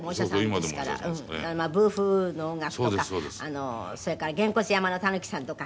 『ブーフーウー』の音楽とかそれから『げんこつやまのたぬきさん』とか。